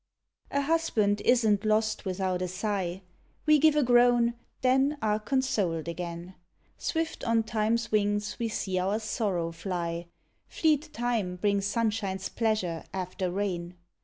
A Husband isn't lost without a sigh; We give a groan, then are consoled again; Swift on Time's wings we see our sorrow fly; Fleet Time brings sunshine's pleasure after rain.